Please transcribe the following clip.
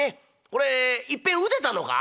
これいっぺんうでたのか？」。